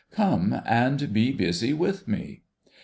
Come and be busy with me